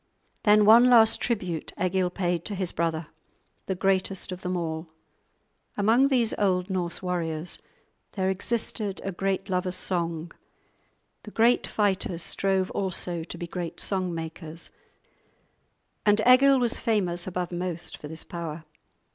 Then one last tribute Egil paid to his brother, the greatest of them all. Among these old Norse warriors there existed a great love of song; the great fighters strove also to be great song makers, and Egil was famous above most for this power.